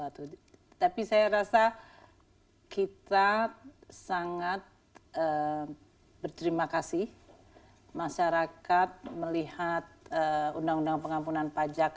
tapi saya rasa kita sangat berterima kasih masyarakat melihat undang undang pengampunan pajak